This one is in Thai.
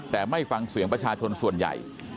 แต่ไม่ฟังเสียงประชาชนส่วนใหญ่